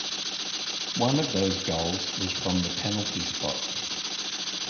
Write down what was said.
One of those goals was from the penalty spot.